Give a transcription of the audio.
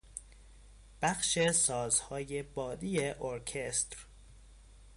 بخش سازهای بادی ارکستر